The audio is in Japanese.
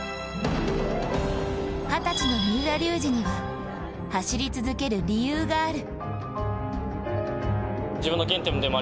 二十歳の三浦龍司には走り続ける理由がある。